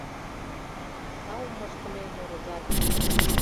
Таум ыштыме мурыжат